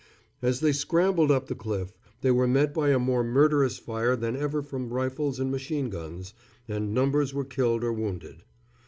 As they scrambled up the cliff they were met by a more murderous fire than ever from rifles and machine guns, and numbers were killed or wounded.